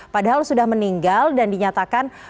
padahal sudah meninggal dan dinyatakan